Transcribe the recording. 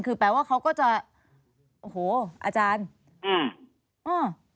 คือแปลว่าเขาก็จะโอ้โหอาจารย์อืมอ่า